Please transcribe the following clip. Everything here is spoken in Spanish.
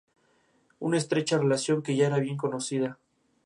Una estrecha relación que ya era bien conocida.